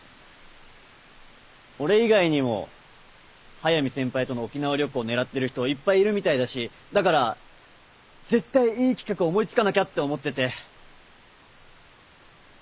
俺以外にも速見先輩との沖縄旅行狙ってる人いっぱいいるみたいだしだから絶対いい企画思い付かなきゃって思ってて。